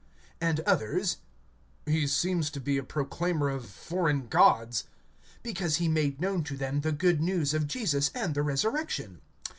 and others: He seems to be a proclaimer of foreign gods; because he made known to them the good news of Jesus and the resurrection.